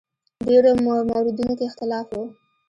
ډېرو موردونو کې اختلاف و.